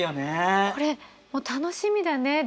これ楽しみだね。